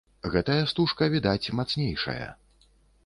Гэтая стужка, відаць, мацнейшая.